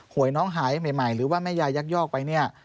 วยน้องหายใหม่หรือว่าแม่ยายยักยอกไปเนี่ย